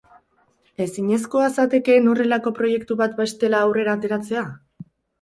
Ezinezkoa zatekeen horrelako proiektu bat bestela aurrera ateratzea?